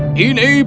ini pangeran maity